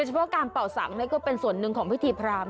เฉพาะการเป่าสังก็เป็นส่วนหนึ่งของพิธีพราม